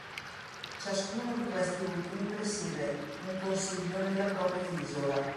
Ciascuno di questi ultimi presiede un Consiglio nella propria isola.